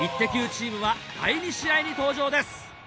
チームは第２試合に登場です。